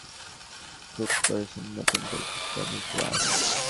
পরশু আমস্টারডামের জয়টা তাই খুব করেই চাইছিলেন নতুন কোচ ড্যানি ব্লিন্ড।